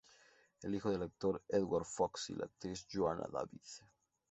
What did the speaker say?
Es hijo del actor Edward Fox y la actriz Joanna David.